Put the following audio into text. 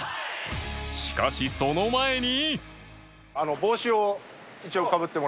しかしその前に